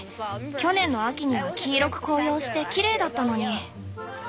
去年の秋には黄色く紅葉してきれいだったのに。